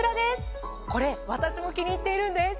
これ私も気に入っているんです。